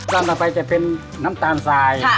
ส่วนต่อไปจะเป็นน้ำตาลซาย